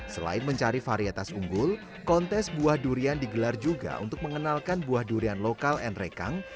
selain mencari varietas unggul kontes buah durian digelar juga untuk mengenalkan buah durian lokal nrekang